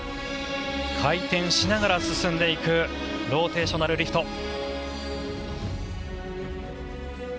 回転しながら進んでいくローテーショナルリフト。